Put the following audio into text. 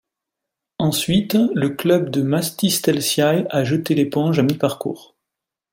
Ensuite, le club de Mastis Telsiai a jeté l'éponge à mi-parcours.